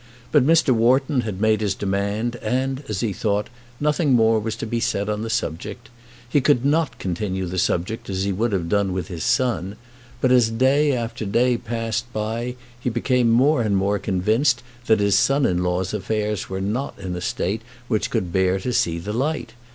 But Mr. Wharton had made his demand, and, as he thought, nothing more was to be said on the subject. He could not continue the subject as he would have done with his son. But as day after day passed by he became more and more convinced that his son in law's affairs were not in a state which could bear to see the light.